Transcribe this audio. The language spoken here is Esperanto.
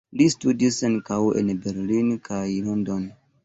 Li studis ankaŭ en Berlin kaj London.